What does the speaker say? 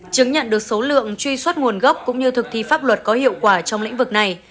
chứng nhận được số lượng truy xuất nguồn gốc cũng như thực thi pháp luật có hiệu quả trong lĩnh vực này